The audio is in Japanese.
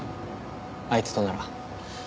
あいつとなら。